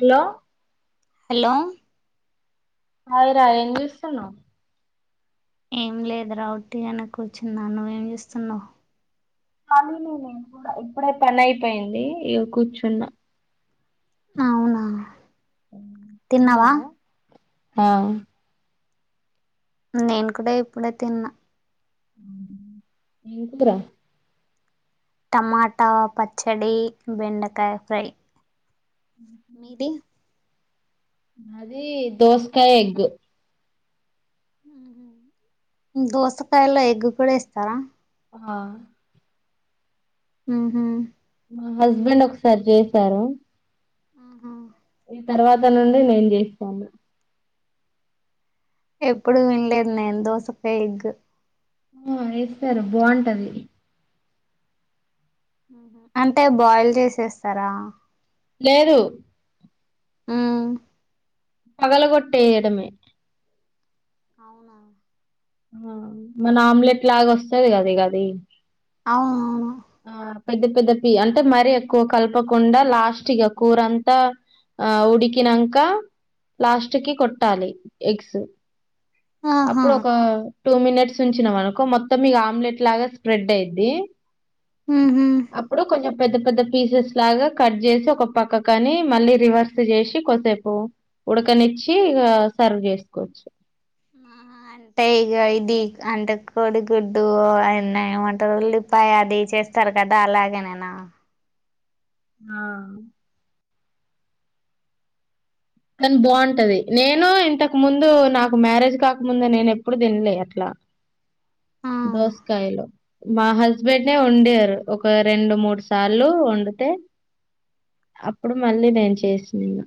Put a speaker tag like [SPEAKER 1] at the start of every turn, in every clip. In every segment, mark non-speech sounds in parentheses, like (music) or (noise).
[SPEAKER 1] Hello
[SPEAKER 2] hello
[SPEAKER 1] అయ్ రా ఏం చేస్తున్నావ్?
[SPEAKER 2] ఏం లేదు వట్టి అని కూర్చున్నా నువ్వేం చేస్తున్నావు?
[SPEAKER 1] అవును ఇప్పుడే పని అయిపోయింది ఇ కూర్చున్నా
[SPEAKER 2] అవునా తిన్నావా
[SPEAKER 1] తిన్నవా ఆ
[SPEAKER 2] నేను కూడా ఇప్పుడే తిన్నా
[SPEAKER 1] ఏందిరా
[SPEAKER 2] టమాటా పచ్చడి, బెండకాయ ఫ్రై మీది?
[SPEAKER 1] మాది దోసకాయ ఎగ్
[SPEAKER 2] దోసకాయలో ఎగ్ కూడా ఏస్తారా?
[SPEAKER 1] ఆ
[SPEAKER 2] హహ
[SPEAKER 1] మా హస్బెండ్ ఒకసారి చేసారు
[SPEAKER 2] ఆహా
[SPEAKER 1] తర్వాత నుండి నేను చేస్తాను.
[SPEAKER 2] ఎప్పుడు వినలేదు నేను దోసకాయ ఎగ్గు
[SPEAKER 1] ఆ వేస్తారు బావుంటది
[SPEAKER 2] అంటే బాయిల్ చేసేస్తారా?
[SPEAKER 1] లేదు
[SPEAKER 2] ఉం
[SPEAKER 1] పగల గోట్టే ఏయడమే
[SPEAKER 2] అవునా
[SPEAKER 1] ఆ మన ఆమ్లెట్ లాగ వస్తది కద ఇగ అది
[SPEAKER 2] అవునవును
[SPEAKER 1] ఆ పెద్ద పెద్ద పి అంటే మరీ ఎక్కువ కలపకుండా లాస్ట్గా కూరంతా ఆ ఉడికి నంక లాస్ట్ కి కొట్టాలి ఎగ్స్
[SPEAKER 2] ఆహా
[SPEAKER 1] అప్పుడు ఒక టూ మినిట్స్ ఉంచినాం అనుకో మొత్తం ఇగ ఆమ్లెట్ లాగా స్ప్రెడ్ అయిది
[SPEAKER 2] హూ హమ్
[SPEAKER 1] అప్పుడు కొంచెం పెద్ద పెద్ద పీసెస్ లాగా కట్ చేసి ఒక పక్క కానీ మళ్ళీ రివర్స్ చేసి కోసేపు ఉడకనిచ్చి ఇగ సర్వ్ చేసుకోవచ్చు
[SPEAKER 2] ఆహా,
[SPEAKER 1] అ
[SPEAKER 2] అంటే ఇగ ఇది అంటే కోడి గుడ్డు అయ్యన్న ఏమంటారు వేళ్ళు పాయ అది చేస్తారు కదా అలాగే నేనా
[SPEAKER 1] ఆ కానీ బాగుంటది నేను ఇంతకు ముందు నాకు మ్యారేజ్ కాకముందు నేను ఎప్పుడు తినలే అట్లా
[SPEAKER 2] ఆ
[SPEAKER 1] దోసకాయలు మా హస్బెండే వండారు ఒక రెండు మూడు సార్లు వండితే అప్పుడు మళ్ళీ నేను చేసినను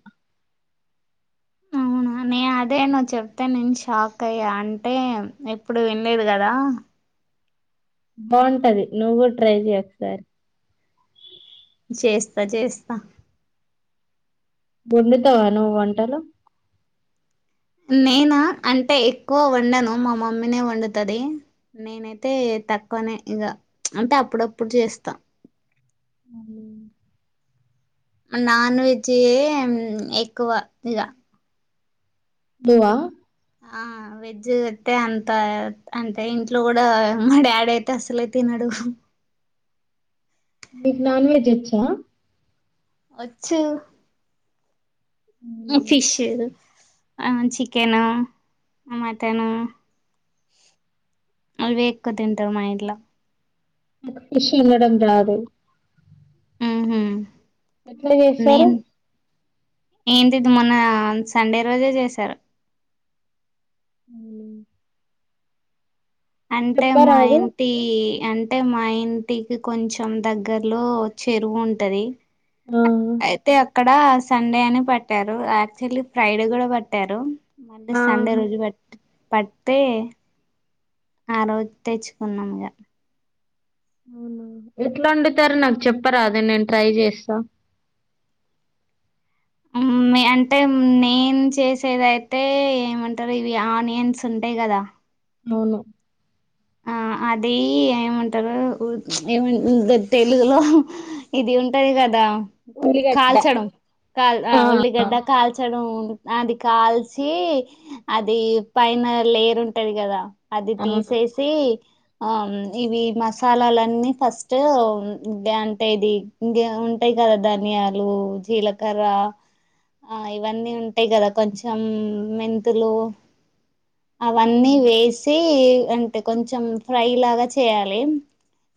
[SPEAKER 2] అవునా నే అదే నువ్వు చెప్తే నేను షాక్ అయ్యా అంటే ఎప్పుడు వినలేదు కదా
[SPEAKER 1] బాగుంటది నువ్వు కూడా ట్రై చెయి ఒకసారి
[SPEAKER 2] చేస్తా చేస్తా
[SPEAKER 1] వండుతావ నువ్వు వంటలు
[SPEAKER 2] నేనా అంటే ఎక్కువ వండాను మా మమ్మీనే వండుతది నేనైతే తక్కువనే ఇగ చ్ అంటే అప్పుడప్పుడు చేస్తా నాన్ వెజి ఎక్కువ ఇగ
[SPEAKER 1] నువ్వ
[SPEAKER 2] ఆ వెజ్ అతే అంత అంటే ఇంట్లో కూడా మా డాడీ అయితే అసలే తినడు
[SPEAKER 1] మీకు నాన్ వెజ్ వచ్చా
[SPEAKER 2] వచ్చు ఫిష్ ఆ చికెను ఆ మటన్ అవే ఎక్కువ తింటారు మా ఇంట్లో
[SPEAKER 1] ఫిష్ వండడం రాదు
[SPEAKER 2] ఆహా
[SPEAKER 1] ఎట్లా చేస్తారు
[SPEAKER 2] నేను ఏంటిది ఇది మొన్న సండే రోజే చేశారు
[SPEAKER 1] ఉ (unintelligible)
[SPEAKER 2] అంటే మా
[SPEAKER 1] చెప్పరాదు
[SPEAKER 2] ఇం టి అంటే మా ఇంటికి కొంచెం దగ్గరలో చెరువు ఉంటది
[SPEAKER 1] ఆ
[SPEAKER 2] అయితే అక్కడ సండే అని పట్టారు యాక్చువల్లీ ఫ్రైడే కూడా పట్టారు మళ్ళీ
[SPEAKER 1] ఆ
[SPEAKER 2] సండే రోజు ప పడ్తే ఆ రోజు తెచ్చుకున్నాంగా
[SPEAKER 1] అవునా ఎట్లా వండుతారు నాకు చెప్పరాద నేను ట్రై చేస్తా
[SPEAKER 2] ఉం అంటే నేను చేసేదయితే ఏమంటారు ఇవి ఆనియన్స్ ఉంటాయి కదా
[SPEAKER 1] అవును
[SPEAKER 2] ఆ అది ఏమంటారు ఏమ తెలుగులో ఇది ఉంటది కదా
[SPEAKER 1] ఉల్లిగడ్డ
[SPEAKER 2] కాల్చడం కాల్ అ
[SPEAKER 1] ఆ
[SPEAKER 2] ఉల్లిగడ్డ కాల్చడం ఉ అది కాల్చి అది పైన లేయర్ ఉంటది కదా అది
[SPEAKER 1] అవును
[SPEAKER 2] తీసేసి ఆ ఇవి మసాలాలన్నీ ఫస్ట్ అంటే ఇది ఇంక ఉంటాయి కదా ధనియాలు జీలకర్ర ఆ ఇవన్నీ ఉంటాయి కదా కొంచెం మెంతులు అవన్నీ
[SPEAKER 1] అవును.
[SPEAKER 2] వేసి అంటే కొంచెం ఫ్రై లాగా చేయాలి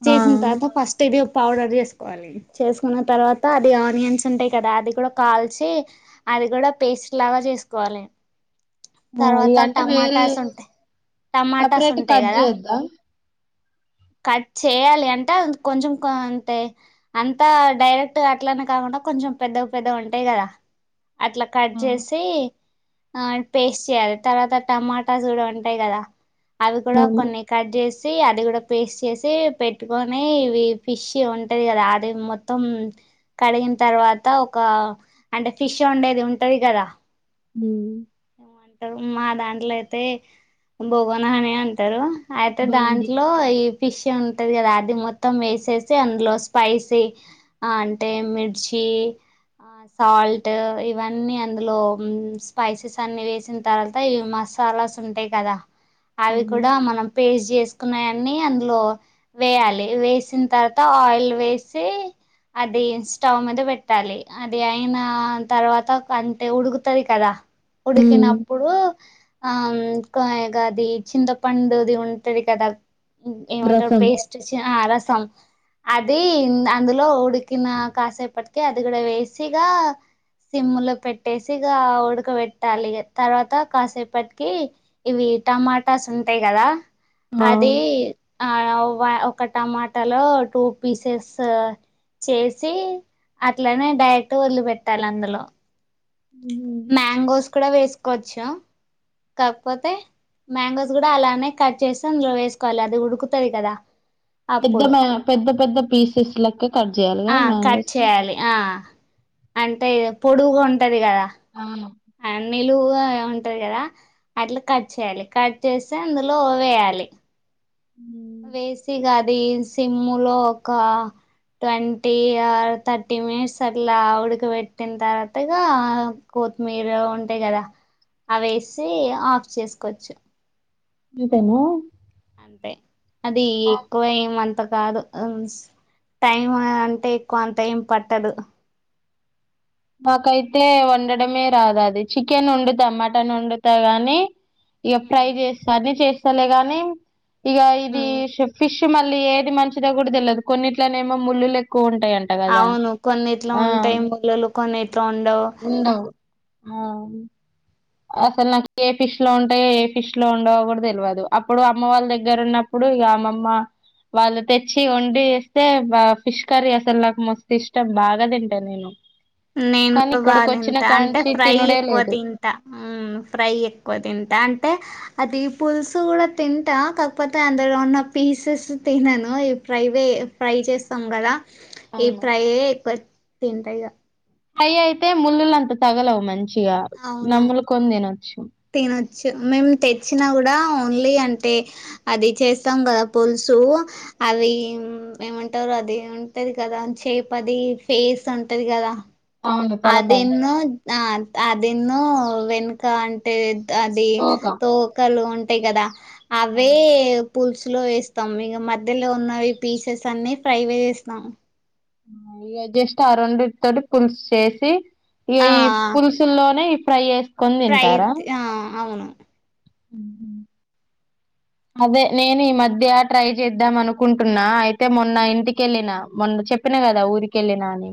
[SPEAKER 2] చేసిన
[SPEAKER 1] ఆ
[SPEAKER 2] తర్వాత ఫస్ట్ తిరి పౌడర్ చేసుకోవాలి చేసుకున్న తర్వాత అది ఆనియన్స్ ఉంటాయి కదా అది కూడా కాల్చి అది కూడా పేస్ట్ లాగా చేసుకోవాలి తర్వాత
[SPEAKER 1] ఇగంటే వేరే
[SPEAKER 2] టమాటాస్ ఉంటాయి టమాటాస్
[SPEAKER 1] సపరేట్ గా
[SPEAKER 2] ఉంటాయి
[SPEAKER 1] కట్
[SPEAKER 2] కదా
[SPEAKER 1] చేద్దా
[SPEAKER 2] కట్ చేయాలి అంటే కొంచెం అంతే అంతా డైరెక్ట్గా అట్లానే కాకుండా కొంచెం పెద్దగ పెద్దగ ఉంటాయి కదా అట్లా కట్
[SPEAKER 1] ఆ
[SPEAKER 2] చేసి ఆ పేస్ట్ చేయాలి తర్వాత టమాటా చూడ ఉంటాయి కదా అవి కూడా
[SPEAKER 1] అవును
[SPEAKER 2] కొన్ని కట్ చేసి అది కూడా పేస్ట్ చేసి పెట్టుకొని ఇవి ఫిష్ ఉంటది కదా అది మొత్ త్తం కడిగిన తర్వాత ఒక అంటే ఫిష్ ఉండేది ఉంటది కదా
[SPEAKER 1] ఊ
[SPEAKER 2] ఏమంటారు మా దాంట్లో అయితే బొగోన అని అంటారు అయితే
[SPEAKER 1] బాండి
[SPEAKER 2] దాంట్లో ఈ ఫిష్ ఉంటది కదా అది మొత్తం వేసేసి అందులో స్పైసీ ఆ అంటే మిర్చి సాల్ట్ ఇవన్నీ అందులో స్పైసెస్ అన్ని వేసిన తర్వాత ఇ మస్ తాలాస్ ఉంటాయి కదా అవి
[SPEAKER 1] అవును
[SPEAKER 2] కూడా మనం పేస్ట్ చేసుకున్నాయన్ని అందులో వేయాలి వేసిన తర్వాత ఆయిల్ వేసి అది స్టవ్ మీద పెట్టాలి అది అయిన తర్వాత అంతే ఉడుకుతది కదా
[SPEAKER 1] ఉమ్
[SPEAKER 2] ఉడికినప్పుడు ఆ ఇంగా అది చింతపండుది ఉంటది కదా ఏమంటారు
[SPEAKER 1] రసం
[SPEAKER 2] పేస్ట్ ఆ రసం అది అందులో ఉడికిన కాసేపటికి అది కూడా వేసిగా సిమ్ము లో పెట్టేసి ఇక ఉడక పెట్టాలి ఇగ తర్వాత కాసేపటికి కి ఇవి టమాటాస్ ఉంటాయి కదా
[SPEAKER 1] ఆ
[SPEAKER 2] అది ఆవా ఒక టమాటా లో టూ పీసెస్ చేసి అట్లనే డైరెక్ట్ వదిలిపెట్టాలి అందులో
[SPEAKER 1] ఉహు.
[SPEAKER 2] మ్యాంగోస్ కూడా వేసుకోవచ్చు కాకపోతే మ్యాంగోస్ కూడా అలానే కట్ చేసి ఇందులో వేసుకోవాలి అది ఉడుకుతది కదా
[SPEAKER 1] పెద్ద
[SPEAKER 2] అప్పుడు
[SPEAKER 1] మ్యా పెద్ద పెద్ద పీసెస్ లెక్క కట్ చేయాలిగా
[SPEAKER 2] ఆ కట్
[SPEAKER 1] మ్యాంగోస్
[SPEAKER 2] చేయాలి ఆ అంటే పొడుగు ఉంటది కదా
[SPEAKER 1] అవును
[SPEAKER 2] అ నీలువుగా ఉంటది కదా అట్లా కట్ చేయాలి కట్ చేస్తే అందులో వేయాలి వేసిగాదిస్ సిమ్ము లో ఒక ట్వంటీ ఆ థర్టీ మినిట్స్ అట్లా ఉడకబెట్టిన తర్వాత ఇగా కొత్తిమీరు ఉంటాయి కదా అవేసి ఆఫ్ చేసుకోవచ్చు
[SPEAKER 1] ఇంతేనా
[SPEAKER 2] అది ఎక్కువ ఏమఅంత కాదు టైమ్ అంటే ఎక్కువ అంత ఏం పట్టదు
[SPEAKER 1] నాకైతే వండడమే రాదు అది చికెన్ వండుతా మటన్ వండుతా గాని ఇక ఫ్రై చేస్త అన్ని చేస్తలే గానీ ఇక ఇది ఫిష్ మళ్ళీ ఏది మంచిదో కూడా తెలియదు కొన్నిట్లీనేమో ముళ్ళలు ఎక్కువ ఉంటాయ్
[SPEAKER 2] అవును కొన్ని ఇట్లా ఉంటాయి మూల్లు కొన్ని ఇట్లా ఉండవు
[SPEAKER 1] ఉండవు ఆ అసలు నాకు ఏ ఫిష్లో ఉంటాయో ఏ ఫిష్లో ఉండవో కూడా తెలియదు అప్పుడు అమ్మ వాళ్ళ దగ్గర ఉన్నప్పుడు అప్పుడు అమ్మమ్మ వాళ్ళు తెచ్చి వండి వేస్తే ఫిష్ కర్రీ అసలు నాకు మస్తు ఇష్టం బాగతింట నేను అ
[SPEAKER 2] నేను కూడా బాగా తింట అంటే ఫ్రై
[SPEAKER 1] తినుడే
[SPEAKER 2] ఎక్కువ
[SPEAKER 1] లేదు
[SPEAKER 2] తింటా ఫ్రై ఎక్కువ తింటా అంటే అది పుల్సు కూడా తింటా కాకపోతే అందులో ఉన్న పీసెస్ తినను ఈ ఫ్రై వే ఫ్రై చేస్తాం కదా ఈ
[SPEAKER 1] అవును
[SPEAKER 2] ఫ్రైయే ఎక్కువ తింటా ఇగ
[SPEAKER 1] ఫ్రై అయితే ముళ్ళలు అంత తగలవు మంచిగా
[SPEAKER 2] అవును
[SPEAKER 1] నమ్ములుకొని తినొచ్చు
[SPEAKER 2] తినొచ్చు మేము తెచ్చినా కూడా ఓన్లీ అంటే అది చేస్తాం కదా పులుసు అవి ఏమంటారు అది ఉంటది కదా చేపది ఫేస్ ఉంటది కదా
[SPEAKER 1] అవును తలకాయ
[SPEAKER 2] అదిను ఆ అదిను వెనుక అం అంటే అది
[SPEAKER 1] తోక
[SPEAKER 2] తోకలు ఉంటాయి కదా అవే పులుసులో వేస్తాము ఇక మధ్యలో ఉన్నవి పీసెస్ అన్ని ఫ్రైవే చేస్తాము
[SPEAKER 1] ఆ ఇగ జస్ట్ రెండిటితోటి పుల్సు చేేసి ఇగ
[SPEAKER 2] ఆ
[SPEAKER 1] ఈ పుల్సు తూల్ లోనే ఫ్రై చేస్
[SPEAKER 2] ఫ్రై ది ఆ అవును
[SPEAKER 1] ఉహు అదే నేను ఈ మధ్య ట్రై చేద్దాం అనుకుంటున్నా అయితే మొన్న ఇంటికెళ్ళిన మొన్న చెప్ చెప్పిన కదా ఊరికెళ్ళిన అని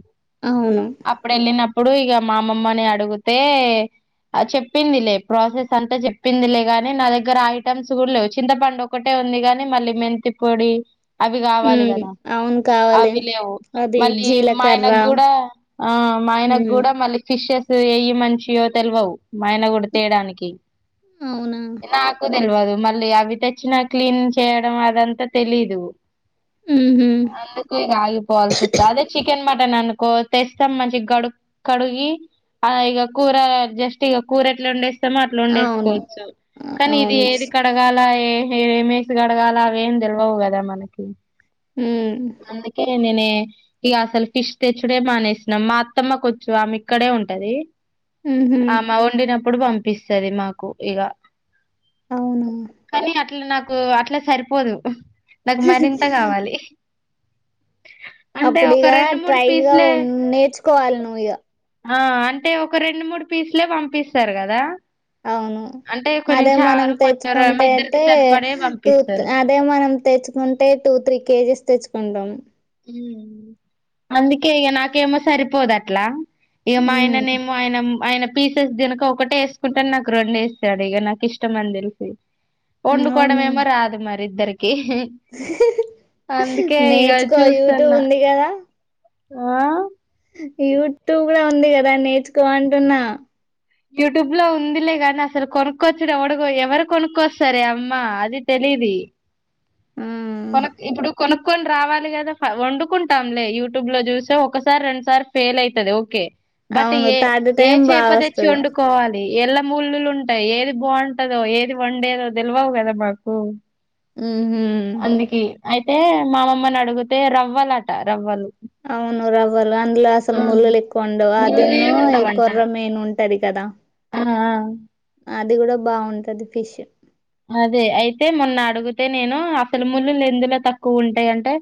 [SPEAKER 2] అవును
[SPEAKER 1] అప్పుడు వెళ్ళినప్పుడు ఇక మా అమ్మమ్మని అడుగుతే చెప్పింది లే ప్రాసెస్ అంతా చెప్పిందిలే గాని నా దగ్గర ఐటమ్స్ కూడా లేవు చింతపండు ఒకటే ఉంది కాని మళ్ళీ మెంతి పొడి అవి కావాలి
[SPEAKER 2] ఉమ్
[SPEAKER 1] కదా
[SPEAKER 2] అవును కావాలి
[SPEAKER 1] అవి లేవు
[SPEAKER 2] అది
[SPEAKER 1] మళ్ళీ మా
[SPEAKER 2] జీలకర్ర
[SPEAKER 1] ఆయనకు కూడా ఆ మా ఆయనకు
[SPEAKER 2] ఉమ్
[SPEAKER 1] కూడా మళ్ళీ ఫిష్ సు ఏవి మంచియో తెలివవు ఆయన కూడా తేయడానికి
[SPEAKER 2] అవునా
[SPEAKER 1] నాకు తెలియదు మళ్ళీ అవి తెచ్చినా క్లీన్ చేయడం అదంతా తెలీదు
[SPEAKER 2] ఉహు
[SPEAKER 1] అందుకు ఆగిపోవల్సి వస్తుంది అదే చికెన్ మటన్ అనుకో తెస్తాం మంచి గడు కడుగి ఆ ఇగ కూర జస్ట్ ఇక కూర ఎట్లా వండేస్ స్తామో
[SPEAKER 2] అవును
[SPEAKER 1] అట్లుండేసుకోవచ్చు కానీ ఇది
[SPEAKER 2] అవును
[SPEAKER 1] ఏది కడగాల ఎహే ఏమేసి కడగాల అవి ఏం తెలివవు కదా మనకి
[SPEAKER 2] ఉ
[SPEAKER 1] అందుకే నేనే ఇగ అసలు ఫిష్ తెచ్చుడే మానేసినం మా అత్తమ్మ కు కోచ్చు ఆమె ఇక్కడే ఉంటది
[SPEAKER 2] ఉహు
[SPEAKER 1] ఆమె వండినప్పుడు పంపిస్తది మాకు ఇగ
[SPEAKER 2] అవునా
[SPEAKER 1] కానీ అట్లా నాకు అట్లా సరిపోదు నాకు మరింత కావాలి
[SPEAKER 2] అప్పుడు ఇగ
[SPEAKER 1] రెండు మూడు
[SPEAKER 2] ట్రైగా
[SPEAKER 1] పీసులే
[SPEAKER 2] ఉన్న నేర్చుకోవాలి నువ్వు ఇగ
[SPEAKER 1] ఆ అంటే ఒక రెండు మూడు పీసులే పంపిస్తారు కదా
[SPEAKER 2] అవును అదే మనం
[SPEAKER 1] కొంచెం ర- మా
[SPEAKER 2] తెచ్చుకుంటే
[SPEAKER 1] ఇద్దరికి
[SPEAKER 2] అయితే
[SPEAKER 1] సరిపడే
[SPEAKER 2] టూత్
[SPEAKER 1] పంపిస్తారు.
[SPEAKER 2] అదే మనం తెచ్చుకుంటే టూ త్రీ కేజీస్ తెచ్చుకుంటాం
[SPEAKER 1] ఉ అందుకే ఇగ నాకేమో సరిపోదు అట్లా ఇగ మా ఆయన
[SPEAKER 2] ఉమ్
[SPEAKER 1] నేను మా ఆయన ఆయన పీసెస్ తినక ఒకటే వేసుకుంటడు నాకు రెండు వేస్తాడు ఇగా నాకు ఇష్టం అని తెలిసి
[SPEAKER 2] అవునా
[SPEAKER 1] వండుకోడమేమో రాదు మరి ఇద్దరికి అందుకే ఇగ
[SPEAKER 2] తో యూట్యూబ్
[SPEAKER 1] చూస్తున్నా.
[SPEAKER 2] ఉంది కదా
[SPEAKER 1] ఆ
[SPEAKER 2] యూట్యూబ్ కూడా ఉంది కదా నేర్చుకో అంటున్న
[SPEAKER 1] యూట్యూబ్ లో ఉందిలే గాని అసలు కొనుక్కొచూడు ఎవడు ఎవరు కొనుకోస్తారే అమ్మా అది తెలిది
[SPEAKER 2] ఆ
[SPEAKER 1] కోనుక్ ఇప్పుడు కొనుక్ కోన్ రావాలి కదా వండుకుంటాంలే యూట్యూబ్ లో చూస్తే ఒకసారి రెండుసార్ ఫెయిల్ అవుతది ఓకే బట్
[SPEAKER 2] అవును
[SPEAKER 1] ఏ
[SPEAKER 2] థర్డ్
[SPEAKER 1] ఏ
[SPEAKER 2] టైం బాగా
[SPEAKER 1] చేప తెచ్చి
[SPEAKER 2] వస్తది
[SPEAKER 1] వండుకోవాలి ఎల్ల మూళ్ళులు ఉంటాయి ఏది బాగుంటదో ఏది వండేదో తెలవవు కదా మాకు
[SPEAKER 2] ఉహు
[SPEAKER 1] అందుకి అయితే మా అమ్మమ్మని అడుగుతే రవ్వలట రవ్వలు
[SPEAKER 2] అవును రవ్వలు అందులో అసలు
[SPEAKER 1] ఆ
[SPEAKER 2] ముళ్ళలు ఎక్కువ ఉండవు
[SPEAKER 1] నిలువయే
[SPEAKER 2] అదిను
[SPEAKER 1] ఉండవంట
[SPEAKER 2] కొర్రమెన్ ఉంటది కదా
[SPEAKER 1] ఆ ఆ
[SPEAKER 2] అది కూడా బాగుంటది ఫిష్
[SPEAKER 1] అదే అయితే మొన్న అడిగితే నేను అసలు ముల్లులు ఎందులో తక్కువ ఉంటాయి అంటే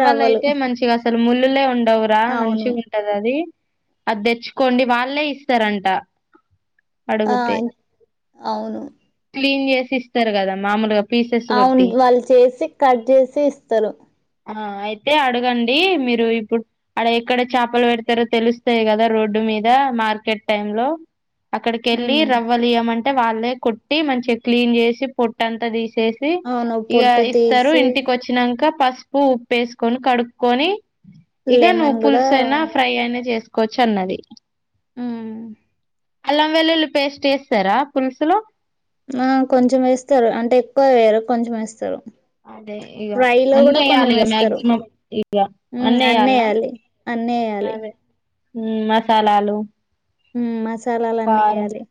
[SPEAKER 2] రవ్వలు
[SPEAKER 1] మంచిగా అసలు ముళ్ళులే ఉండవురా
[SPEAKER 2] అవును
[SPEAKER 1] మంచిగా వుంటాడది అది తెచ్చుకోండి వాళ్ళే ఇస్తారంట
[SPEAKER 2] ఆ
[SPEAKER 1] అడుగుతే
[SPEAKER 2] అవును
[SPEAKER 1] క్లీన్ చేసి ఇస్తారు కదా మామూలుగా పీసెస్
[SPEAKER 2] అవును
[SPEAKER 1] కొట్టి
[SPEAKER 2] వాళ్ళు చేసి కట్ చేసి ఇస్తారు
[SPEAKER 1] ఆ అయితే అడగండి మీరు ఇప్పుడు అడ ఎక్కడ చేపలు పెడతారో తెలుస్తాయి కదా రోడ్డు మీద మార్కెట్ టైమ్ లో అక్కడికి వెళ్ళి
[SPEAKER 2] ఉమ్
[SPEAKER 1] రవ్వలియ మంటే వాళ్ళే కొట్టి మంచిగా చే క్లీన్ చేసి పొట్ట అంతా తీసేసి
[SPEAKER 2] అవును
[SPEAKER 1] ఇగ
[SPEAKER 2] పొట్టు
[SPEAKER 1] ఇస్తారు
[SPEAKER 2] తీసి
[SPEAKER 1] ఇంటికి వచ్చానాక్ పస్ పు ఉప్పేసుకని కడుకొని ఇగ నువ్వు
[SPEAKER 2] లెమన్ కూడా
[SPEAKER 1] పుల్సయినా ఉ ఫ్రై అయినా చేసుకోవచ్చు అన్నది
[SPEAKER 2] ఉమ్
[SPEAKER 1] అల్లం వెల్లుల్లి పేస్ట్ వేస్తారా పులుసులో
[SPEAKER 2] ఆ కొంచెం వేస్తారు అంటే ఎక్కువ వేయరు కొంచెం వేస్తారు
[SPEAKER 1] అదే ఇగ
[SPEAKER 2] ఫ్రై లో
[SPEAKER 1] అన్నీ
[SPEAKER 2] కూడా కొంచెం
[SPEAKER 1] ఎయ్యాలి ఇగ
[SPEAKER 2] వేస్తారు
[SPEAKER 1] మాక్సిమం
[SPEAKER 2] ఉమ్
[SPEAKER 1] అన్నీ
[SPEAKER 2] అన్ని
[SPEAKER 1] ఎయ్యాలనా
[SPEAKER 2] వేయ్యాలి అన్ని వయ్యాలి
[SPEAKER 1] ఉమ్ మసాలాలు
[SPEAKER 2] ఉమ్ మసాలాలు అన్నీ
[SPEAKER 1] కారం
[SPEAKER 2] వేయాలి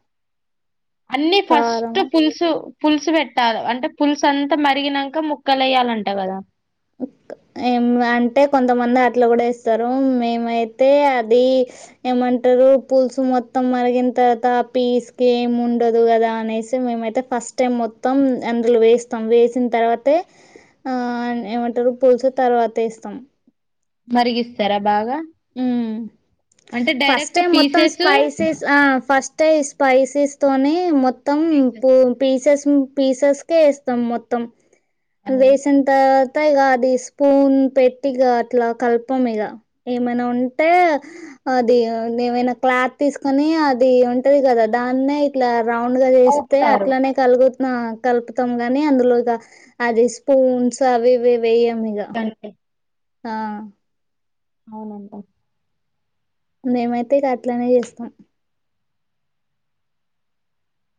[SPEAKER 1] అన్ని
[SPEAKER 2] కారం
[SPEAKER 1] ఫస్ట్ పులుసు పులుసు పెట్టాల అంటే పులుసు అంతా మరిగినాక ముక్కలు వేయాలంట కదా
[SPEAKER 2] ఓక్ ఏం అంటే కొంతమంది అట్లు కూడా వేస్తారు మేమైతే అది ఏమంటారు పులుసు మొత్తం మరిగిన తర్వాత పీస్ ఏమి ఉండదు కదా అనేసి మేమైతే ఫస్ట్ టైం మొత్తం అందులో వేస్తాం వేసిన తర్వాతే ఆన్ ఏమంటారు పులుసు తర్వాత ఏస్తాం
[SPEAKER 1] మరిగిస్తారా బాగా
[SPEAKER 2] ఉమ్.
[SPEAKER 1] అంటే డైరెక్ట్ పీసెస్సు
[SPEAKER 2] లా ఫస్ట్టే స్పైసెస్ తోనే మొత్తం పూ
[SPEAKER 1] పీసెస్
[SPEAKER 2] పీసెస్ పీసెస్కే వేస్తాం మొత్తం
[SPEAKER 1] అదే
[SPEAKER 2] వేసిన తర్వా తా అది స్పూన్ పెట్టిగా అట్లా కల్పం ఇగ ఏమైనా ఉంటే అది ఏమైనా క్లాత్ తీసుకొని అది ఉంటది కదా దాన్నే ఇట్లా రౌండ్ గా చేస్తే
[SPEAKER 1] అవుపుతారు
[SPEAKER 2] అట్లనే కలుపుతన్ కలుపుతాం గాని అందులో ఇగ అది స్పూన్స్ అవి ఇవి వెయ్యం ఇగ
[SPEAKER 1] అంతే
[SPEAKER 2] ఆ
[SPEAKER 1] అవునంటా
[SPEAKER 2] మేమైతే గట్లనే చేస్తాం